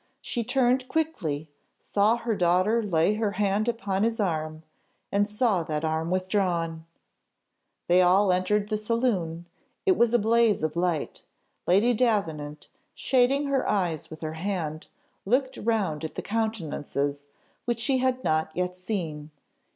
She turned quickly, saw her daughter lay her hand upon his arm, and saw that arm withdrawn! They all entered the saloon it was a blaze of light; Lady Davenant, shading her eyes with her hand, looked round at the countenances, which she had not yet seen.